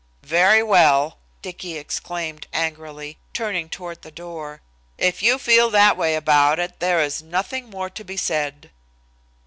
"Very well," Dicky exclaimed angrily, turning toward the door. "If you feel that way about it, there is nothing more to be said."